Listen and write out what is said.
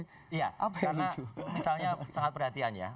iya karena misalnya sangat perhatian ya